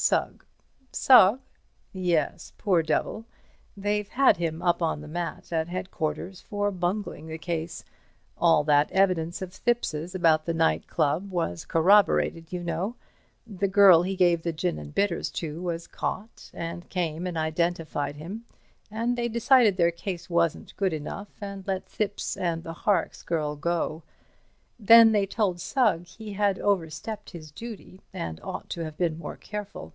"Sugg." "Sugg?" "Yes—poor devil. They've had him up on the mat at headquarters for bungling the case. All that evidence of Thipps's about the night club was corroborated, you know. That girl he gave the gin and bitters to was caught, and came and identified him, and they decided their case wasn't good enough, and let Thipps and the Horrocks girl go. Then they told Sugg he had overstepped his duty and ought to have been more careful.